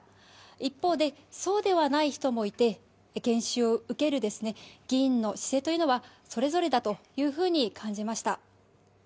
一方でそうではない人もいて研修を受ける議員の姿勢というのはそれぞれだというふうに感じました。